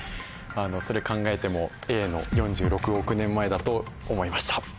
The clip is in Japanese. それ考えてもＡの４６億年前だと思いました。